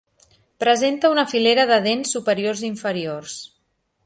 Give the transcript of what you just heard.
Presenta una filera de dents superiors i inferiors.